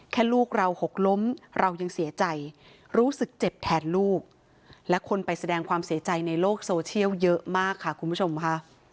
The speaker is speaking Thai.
ลูกเราหกล้มเรายังเสียใจรู้สึกเจ็บแทนลูกและคนไปแสดงความเสียใจในโลกโซเชียลเยอะมากค่ะคุณผู้ชมค่ะ